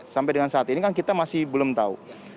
sampai dengan saat ini kan kita masih belum tahu